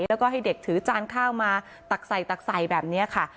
แล้วก็ให้เด็กถือจานข้าวมาตักใส่ตักใส่แบบนี้ค่ะ